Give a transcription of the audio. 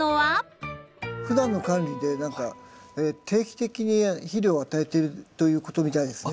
ふだんの管理で何か定期的に肥料を与えているということみたいですね。